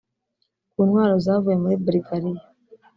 Ku ntwaro zavuye muri Bulgaria